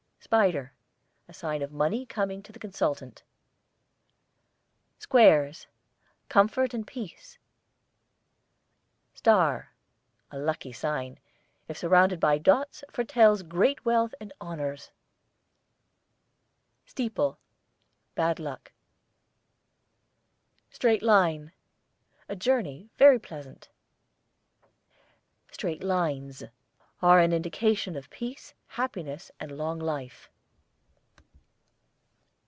SPIDER, a sign of money coming to the consultant. SQUARES, comfort and peace. STAR, a lucky sign; if surrounded by dots foretells great wealth and honours. STEEPLE, bad luck. STRAIGHT LINE, a journey, very pleasant. STRAIGHT LINES are an indication of peace, happiness, and long life.